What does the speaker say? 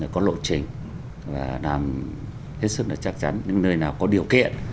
có lộ trình và làm hết sức là chắc chắn những nơi nào có điều kiện